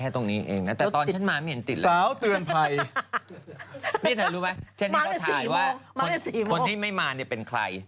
ที่นี่เล่าถ่ายว่าคนที่ไม่มาเนี่ยเป็นใคร